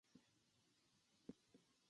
人々の間では彼らが裏切ったと噂されている